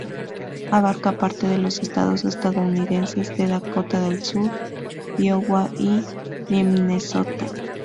Abarca parte de los estados estadounidenses de Dakota del Sur, Iowa y Minnesota.